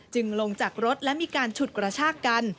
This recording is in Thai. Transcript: ลงจากรถและมีการฉุดกระชากกัน